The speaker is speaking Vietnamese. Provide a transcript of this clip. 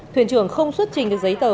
thuyền trưởng không xuất trình được giấy tờ